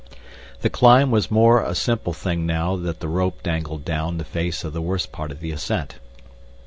The climb was a more simple thing now that the rope dangled down the face of the worst part of the ascent.